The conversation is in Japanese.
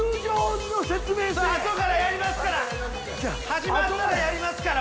始まったらやりますから。